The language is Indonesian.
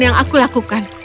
yang aku lakukan